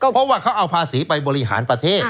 เพราะว่าเขาเอาภาษีไปบริหารประเทศ